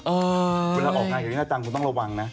เวลาออกงานอย่างนี้น่าจังคุณต้องระวังนะ